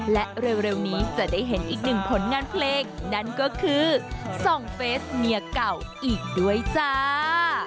และเร็วนี้จะได้เห็นอีกหนึ่งผลงานเพลงนั่นก็คือส่องเฟสเมียเก่าอีกด้วยจ้า